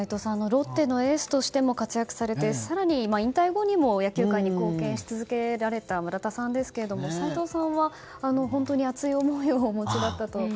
ロッテのエースとしても活躍されて更に引退後にも野球界に貢献し続けられた村田さんですが齋藤さんは本当に熱い思いをお持ちだったと。